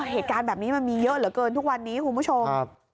เหตุการณ์แบบนี้มันมีเยอะเหลือเกินทุกวันนี้คุณผู้ชม